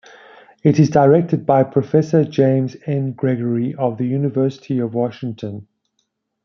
It is directed by Professor James N. Gregory of the University of Washington.